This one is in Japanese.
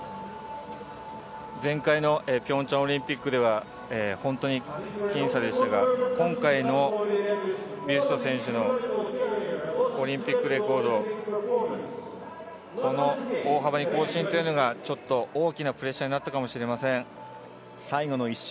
前回のピョンチャンオリンピックでは本当に僅差でしたが、今回のビュスト選手のオリンピックレコード大幅に更新というのが、ちょっと大きなプレッシャーになったかもしれません。